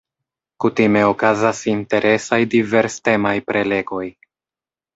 Kutime okazas interesaj, diverstemaj prelegoj.